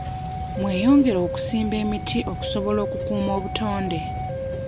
Mweyongere okusimba emiti okusobola okukuuma obutonde.